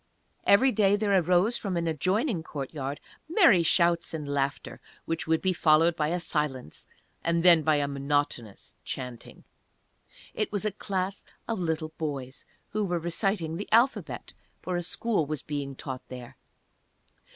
Every day there arose from an adjoining courtyard merry shouts and laughter, which would be followed by a silence, and then by a monotonous chanting. It was a class of little boys who were reciting the Alphabet, for a school was being taught there.